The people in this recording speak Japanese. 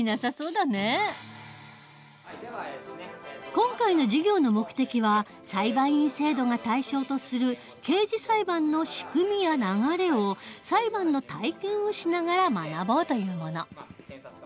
今回の授業の目的は裁判員制度が対象とする刑事裁判の仕組みや流れを裁判の体験をしながら学ぼうというもの。